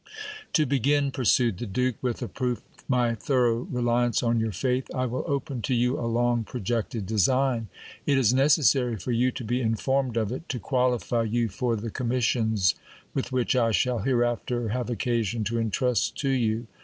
To begin, pursued the duke, with a proof my thorough reliance on your faith, I will open to you a long projected design. It is necessary for you to be informed of it, to qualify you for the commissions with which I shall hereafter have occasion to intrust to you.